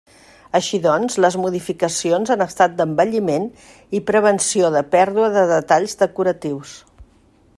Així doncs les modificacions han estat d'embelliment i prevenció de pèrdua de detalls decoratius.